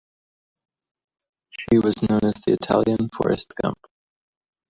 She was known as the "Italian Forrest Gump".